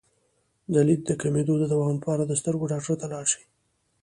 د لید د کمیدو د دوام لپاره د سترګو ډاکټر ته لاړ شئ